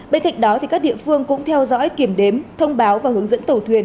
bên cạnh đó các địa phương cũng theo dõi kiểm đếm thông báo và hướng dẫn tàu thuyền